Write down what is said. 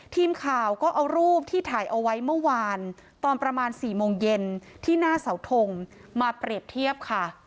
ทีมข่าวก็เอารูปที่ถ่ายเอาไว้เมื่อวานตอนประมาณ๔โมงเย็นที่หน้าเสาทงมาเปรียบเทียบค่ะ